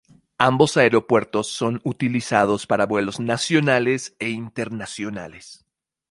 Ambos aeropuertos son utilizados para vuelos nacionales e internacionales.